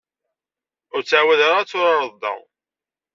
Ur ttɛawad ara ad turareḍ da.